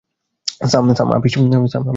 সাম, office ও হাম।